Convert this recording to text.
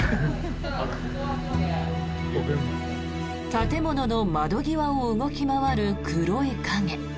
建物の窓際を動き回る黒い影。